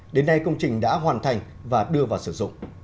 đến nay công trình đã hoàn thành và đưa vào sử dụng